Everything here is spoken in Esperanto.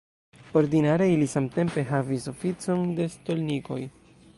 Ordinare ili samtempe havis oficon de stolnikoj.